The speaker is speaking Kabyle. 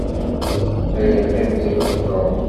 Ad iqqim dagi Tom.